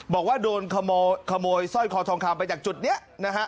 บอกว่าโดนขโมยสร้อยคอทองคำไปจากจุดนี้นะฮะ